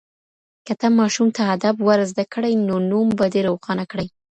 که ته ماشوم ته ادب ور زده کړې نو نوم به دې روښانه کړي.